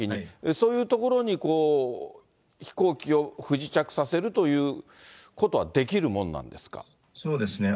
そういう所に飛行機を不時着させるということはできるものなんでそうですね。